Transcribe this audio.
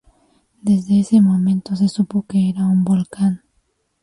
Desde ese momento, se supo que era un volcán.